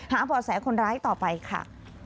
บ่อแสคนร้ายต่อไปค่ะ